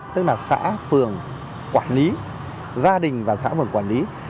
tức là xã phường quản lý gia đình và xã phường quản lý